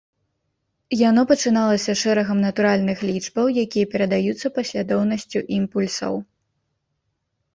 Яно пачыналася шэрагам натуральных лічбаў, якія перадаюцца паслядоўнасцю імпульсаў.